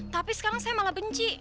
tapi sekarang saya malah benci